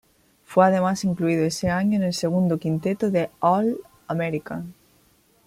Fue además incluido ese año en el segundo quinteto del All-American.